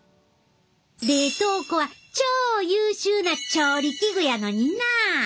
冷凍庫は超優秀な調理器具やのにな！